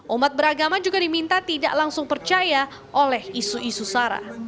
umat beragama juga diminta tidak langsung percaya oleh isu isu sara